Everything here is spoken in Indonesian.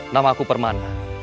nama aku permana